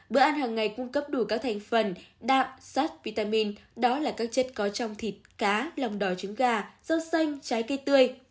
bữa ăn hàng ngày cung cấp đủ các thành phần đạm sắt vitamin đó là các chất có trong thịt cá lòng đỏ trứng gà rau xanh trái cây tươi